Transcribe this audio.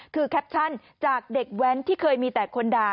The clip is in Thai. คือแคปชั่นจากเด็กแว้นที่เคยมีแต่คนด่า